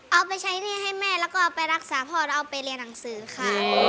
เอาไปใช้หนี้ให้แม่แล้วก็ไปรักษาพ่อแล้วเอาไปเรียนหนังสือค่ะ